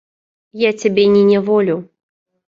Я цябе не няволю.